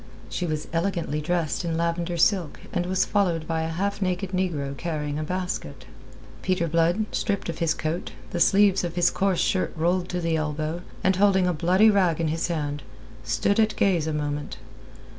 She was elegantly dressed in lavender silk and was followed by a half naked negro carrying a basket. Peter Blood, stripped of his coat, the sleeves of his coarse shirt rolled to the elbow, and holding a bloody rag in his hand, stood at gaze a moment.